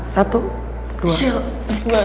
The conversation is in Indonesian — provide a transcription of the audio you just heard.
satu dua tiga